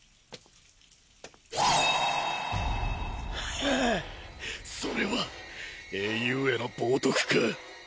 ハァそれは英雄への冒涜か？